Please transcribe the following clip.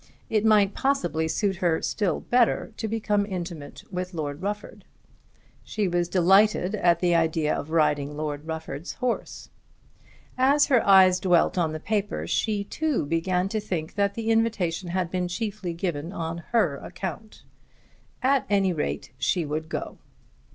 It might possibly suit her still better to become intimate with Lord Rufford. She was delighted at the idea of riding Lord Rufford's horse. As her eyes dwelt on the paper she, too, began to think that the invitation had been chiefly given on her account. At any rate she would go.